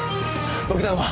爆弾は？